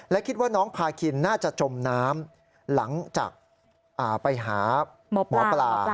และคิดว่าน้องพาคินน่าจะจมน้ำหลังจากไปหาหมอปลา